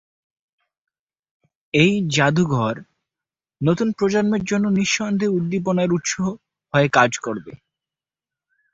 এই জাদুঘর নতুন প্রজন্মের জন্য নিঃসন্দেহে উদ্দীপনার উৎস হয়ে কাজ করবে।